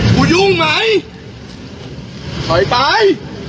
ยุ่งไหมถอยไป